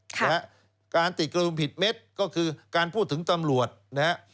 นะฮะการติดกระดุมผิดเม็ดก็คือการพูดถึงตำรวจนะฮะ